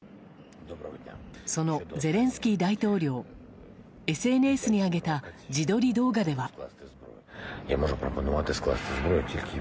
そのゼレンスキー大統領ＳＮＳに上げた自撮り動画では。